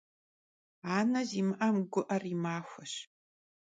Ane zimı'em gu'er yi maxueş.